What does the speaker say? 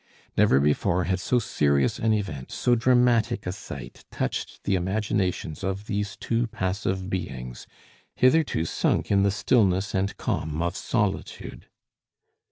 Never before had so serious an event, so dramatic a sight, touched the imaginations of these two passive beings, hitherto sunk in the stillness and calm of solitude.